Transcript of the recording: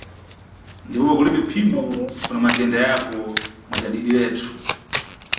Ndipopa kulibe phindu kuna matenda yako mwa cadidiretu.